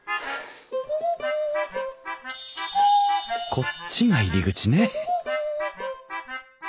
こっちが入り口ね